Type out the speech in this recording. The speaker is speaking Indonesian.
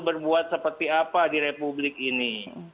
berbuat seperti apa di republik ini